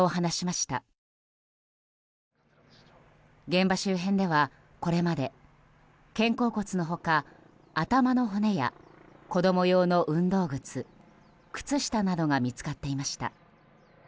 現場周辺ではこれまで肩甲骨の他頭の骨や子供用の運動靴靴下などが見つかっていました。